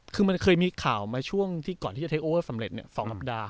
คือมันเคยมีข่าวมาช่วงที่ก่อนที่จะเทคโอสำเร็จ๒สัปดาห์